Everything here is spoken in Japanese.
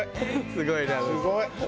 すごい。